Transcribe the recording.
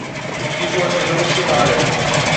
一说陈州西华人。